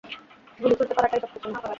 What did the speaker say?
গুলি ছুড়তে পারাটাই সবকিছু না।